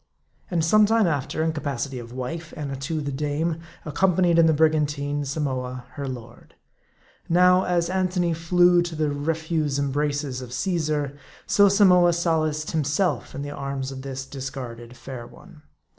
And some time after, in capacity of wife, Annatoo the dame, ac companied in the brigantine, Samoa her lord. Now, as Antony flew to the refuse embraces of Caesar, so Samoa solaced himself in the arms of this discarded fair one.